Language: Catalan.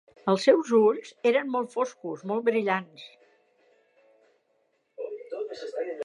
Els seus ulls eren molt foscos, molt brillants.